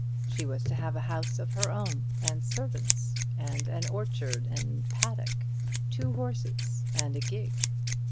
She was to have a house of her own, and servants, and an orchard and paddock, two horses, and a gig.